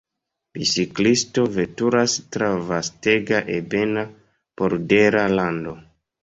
Biciklisto veturas tra vastega ebena poldera lando.